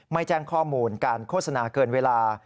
แจ้งข้อมูลการโฆษณาเกินเวลา